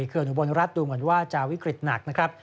อุบลรัฐดูเหมือนว่าจะวิกฤตหนักนะครับ